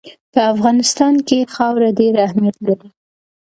په افغانستان کې خاوره ډېر اهمیت لري.